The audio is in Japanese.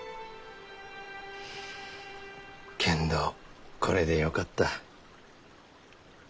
けんどこれでよかった。